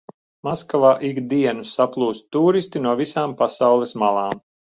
Maskavā ik dienu saplūst tūristi no visām pasaules malām.